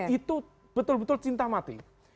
itu betul betul cinta mati